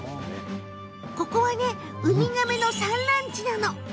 ここは、ウミガメの産卵地なの。